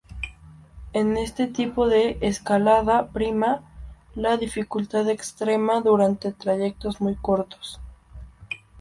En este tipo de escalada prima la dificultad extrema durante trayectos muy cortos.